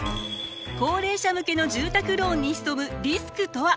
高齢者向けの住宅ローンに潜むリスクとは？